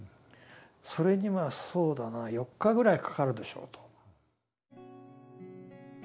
それにはそうだな４日ぐらいかかるでしょう」と。